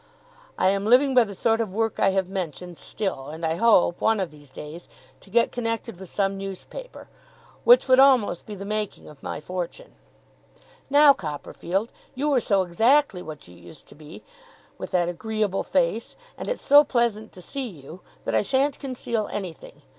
I am living by the sort of work I have mentioned, still, and I hope, one of these days, to get connected with some newspaper: which would almost be the making of my fortune. Now, Copperfield, you are so exactly what you used to be, with that agreeable face, and it's so pleasant to see you, that I sha'n't conceal anything.